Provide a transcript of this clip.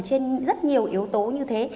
trên rất nhiều yếu tố như thế